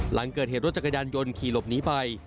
หลังเกิดเหตุรถจักรยานยนต์ขี่หลบหนีไป